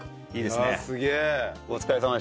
いいですねえ。